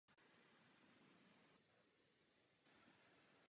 Na lov vyráží hlavně za soumraku a v noci.